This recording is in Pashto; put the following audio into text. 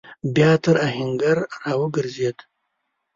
بيا تر آهنګر راوګرځېد.